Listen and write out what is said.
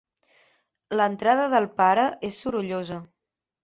L'entrada del pare és sorollosa.